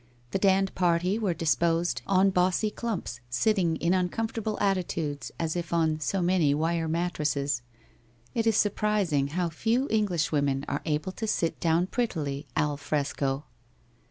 The Dand party were disposed on bossy clumps, sitting in uncomfortable atti tudes as if on so many wire mattresses; it is surprising how few Englishwomen are aide to sit down prettily al fresco!